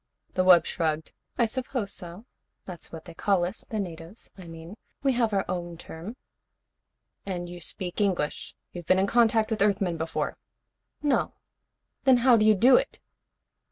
The wub shrugged. "I suppose so. That's what they call us, the natives, I mean. We have our own term." "And you speak English? You've been in contact with Earthmen before?" "No." "Then how do you do it?"